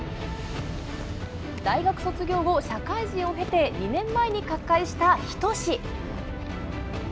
大学卒業後社会人を経て２年前に角界入りした日翔志。